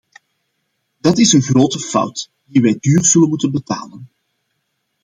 Dat is een grote fout, die wij duur zullen moeten betalen.